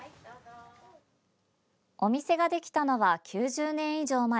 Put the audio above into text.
お店ができたのは９０年以上前。